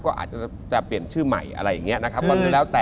ก็อาจจะเปลี่ยนชื่อใหม่นะคะ